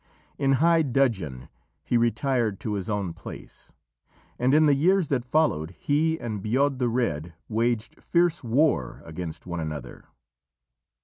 In high dudgeon he retired to his own place, and in the years that followed he and Bodb the Red waged fierce war against one another.